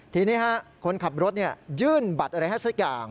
ทีนี้คนขับรถยื่นบัตรอะไรให้สักอย่าง